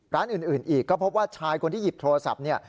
ร้านอื่นอีกก็พบว่าชายคนที่หยิบโทรศัพท์เนี่ย